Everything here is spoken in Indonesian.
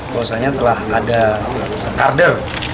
kedua duanya telah ada karder